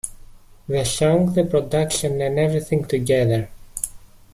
The song, the production and everything together.